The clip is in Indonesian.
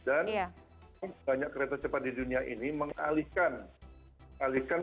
dan banyak kereta cepat di dunia ini mengalihkan